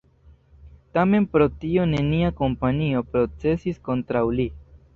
Tamen pro tio nenia kompanio procesis kontraŭ li.